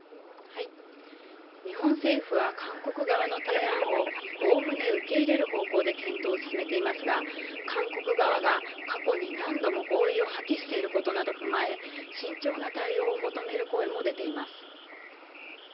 日本政府は韓国側の提案を、おおむね受け入れる方向で検討を進めていますが、韓国側が過去に何度も合意を破棄していることなどを踏まえ、慎重な対応を求める声も出ています。